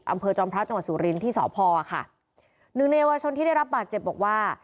จอมพระจังหวัดสุรินทร์ที่สพค่ะหนึ่งในเยาวชนที่ได้รับบาดเจ็บบอกว่า